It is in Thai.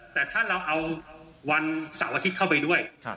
แต่ถ้าเราเอาวันเสาร์อาทิตย์เข้าไปด้วย